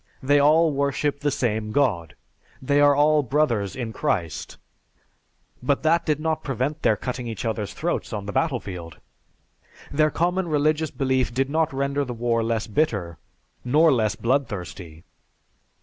They all worship the same God, they are all brothers in Christ, but that did not prevent their cutting each other's throats on the battlefield. Their common religious belief did not render the war less bitter nor less bloodthirsty.